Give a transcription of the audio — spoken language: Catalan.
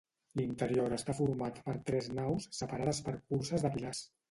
L'interior està format per tres naus, separades per curses de pilars.